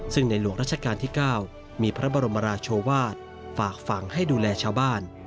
ซึ่งในหลวงราชการที่๙มีพระบรมราชวาสฝากฝั่งให้ดูแลชาวบ้าน